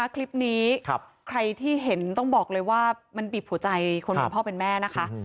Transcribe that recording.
คลิปนี้ใครที่เห็นต้องบอกเลยว่ามันบีบหัวใจคนเป็นพ่อเป็นแม่นะคะ